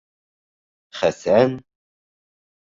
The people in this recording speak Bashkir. Хәсән...